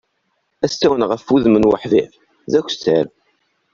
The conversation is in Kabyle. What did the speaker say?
Asawen ɣef wudem n uḥbib, d akessar.